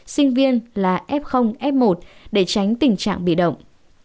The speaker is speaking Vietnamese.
sinh viên là f f một để tránh tình trạng bị động